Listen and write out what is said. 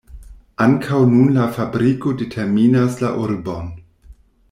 Ankaŭ nun la fabriko determinas la urbon.